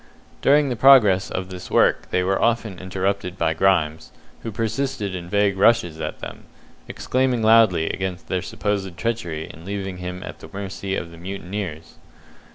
During the progress of this work they were often interrupted by Grimes, who persisted in vague rushes at them, exclaiming loudly against their supposed treachery in leaving him at the mercy of the mutineers.